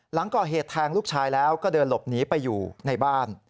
หลังก่อเหตุแทงลูกชายแล้วก็เดินหลบหนีไปอยู่ในบ้าน